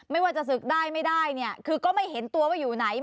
ไม่ว่าจะศึกได้ไม่ได้เนี่ยคือก็ไม่เห็นตัวว่าอยู่ไหน